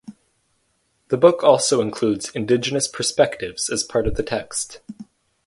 The books also include "indigenous perspectives" as part of the text.